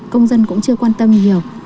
công dân cũng chưa quan tâm nhiều